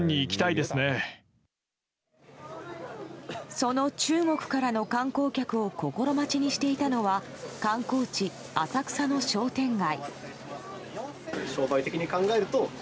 その中国からの観光客を心待ちにしていたのは観光地・浅草の商店街。